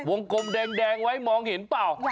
วงกลมแดงมองเห็นรึเปล่า